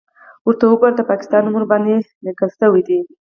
_ورته وګوره! د پاکستان نوم ورباندې ليکل شوی دی.